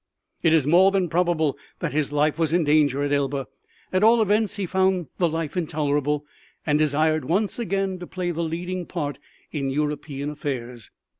It is more than probable that his life was in danger at Elba. At all events he found the life intolerable, and desired once again to play the leading part in European affairs.